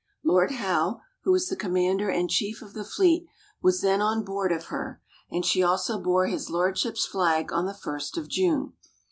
Lord Howe, who was the commander and chief of the fleet, was then on board of her; and she also bore his lordship's flag on the first of June.